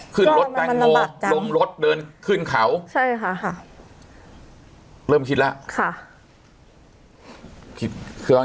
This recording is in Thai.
ขึ้นรถแตงโมล้มรถเดินขึ้นเขาใช่ค่ะเริ่มคิดแล้วค่ะ